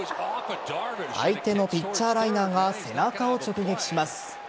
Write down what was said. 相手のピッチャーライナーが背中を直撃します。